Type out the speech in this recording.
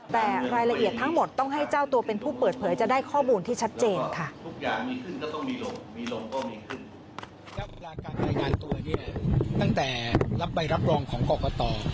แต่รายละเอียดทั้งหมดต้องให้เจ้าตัวเป็นผู้เปิดเผยจะได้ข้อมูลที่ชัดเจนค่ะ